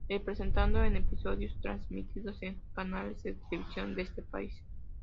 Presentado en episodios transmitidos en canales de televisión de este país.